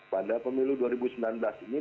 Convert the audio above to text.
pada pemilu dua ribu sembilan belas ini